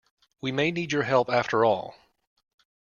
We may need your help after all.